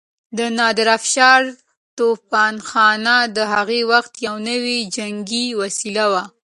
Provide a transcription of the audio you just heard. د نادرافشار توپخانه د هغه وخت يو نوی جنګي وسيله وه.